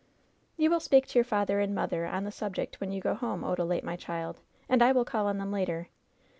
"You will speak to your father and mother on the subject when you go home, Odalite, my child; and I will call on them later.